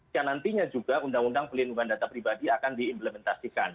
yang nantinya juga undang undang pelindungan data pribadi akan diimplementasikan